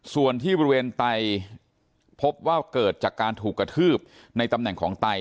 ส่วนที่บริเวณไตพบว่าเกิดจากการถูกกระทืบในตำแหน่งของไต